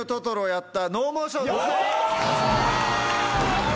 やった！